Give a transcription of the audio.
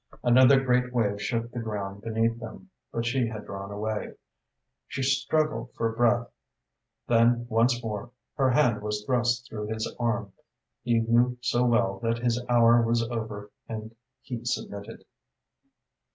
Another great wave shook the ground beneath them, but she had drawn away. She struggled for breath. Then once more her hand was thrust through his arm. He knew so well that his hour was over and he submitted.